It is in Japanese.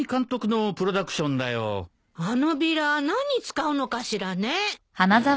あのビラ何に使うのかしらね。